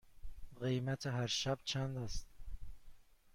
قیمت هر شب چند است؟